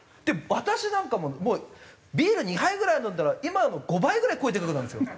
私なんかももうビール２杯ぐらい飲んだら今の５倍ぐらい声でかくなるんですよ。